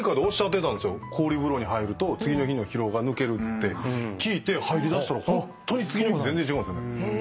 氷風呂に入ると疲労が抜けるって聞いて入りだしたらホントに次の日全然違うんです。